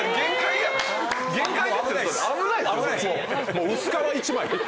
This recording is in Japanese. もう薄皮一枚！